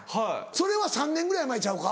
それは３年ぐらい前ちゃうか？